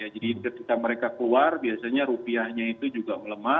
jadi ketika mereka keluar biasanya rupiahnya itu juga melemah